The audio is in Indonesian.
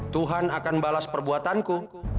tuhan akan balas perbuatanku